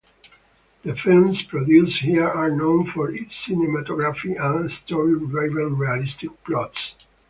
The films produced here are known for its cinematography and story driven realistic plots.